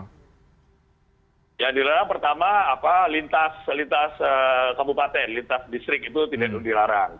yang dilarang pertama lintas lintas kabupaten lintas distrik itu tidak dilarang